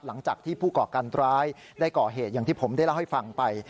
หลังจากที่ผู้ก่อการร้ายได้ก่อเหตุอย่างที่ผมได้เล่าให้ฟังไป